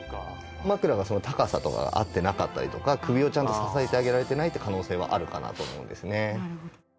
枕が高さとかが合ってなかったりとか首をちゃんと支えてあげられてないって可能性はあるかなと思うんですね。